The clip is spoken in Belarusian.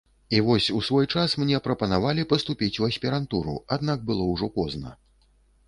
І вось, у свой час мне прапанавалі паступіць у аспірантуру, аднак было ўжо позна.